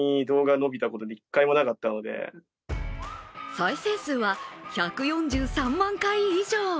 再生数は１４３万回以上。